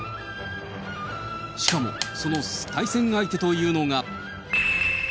しかも、その対戦相手というのが。